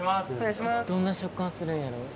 どんな食感するんやろう？